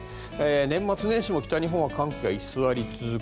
年末年始も北日本は寒気が居座り続け